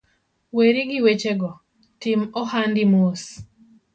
Weri gi wechego, tim ohandi mos